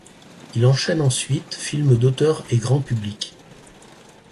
Il enchaîne ensuite films d'auteur et grand public.